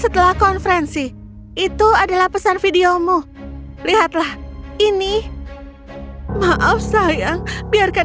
dan bantuan telah tiba